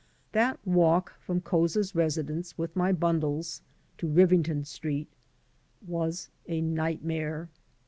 That walk from Couza's residence, with my bundles, to Rivington Street was a nightmare.